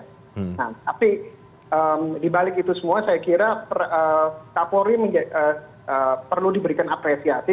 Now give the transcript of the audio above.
nah tapi dibalik itu semua saya kira kapolri perlu diberikan apresiasi